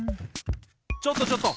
・ちょっとちょっと！